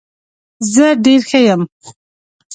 زه ډیر ښه یم.